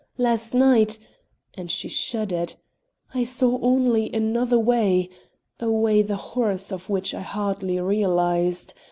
Last night " and she shuddered "I saw only another way a way the horrors of which I hardly realized.